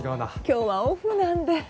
今日はオフなんで。